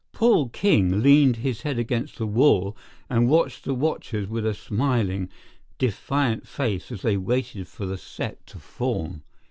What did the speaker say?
Paul King leaned his head against the wall and watched the watchers with a smiling, defiant face as they waited for the set to form.